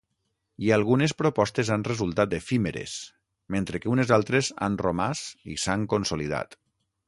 I algunes propostes han resultat efímeres, mentre que unes altres han romàs i s'han consolidat.